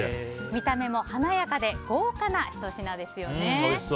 見た目も華やかで豪華なひと品ですよね。